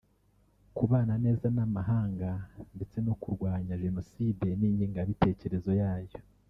kubana neza n’amahanga ndetse no kurwanya Jenoside n’ingengabitekerezo yayo